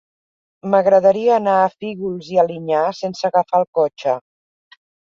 M'agradaria anar a Fígols i Alinyà sense agafar el cotxe.